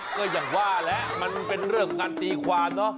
ก็อย่างว่าแล้วมันเป็นเริ่มงานตีควาเนอะ